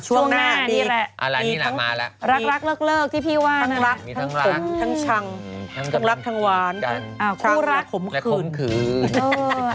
ช่วงหน้านี่แหละรักเลิกที่พี่ว่ารักทั้งผมทั้งชังทั้งรักทั้งหวานคู่รักขมขืนขืน